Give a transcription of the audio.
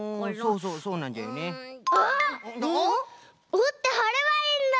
おってはればいいんだ！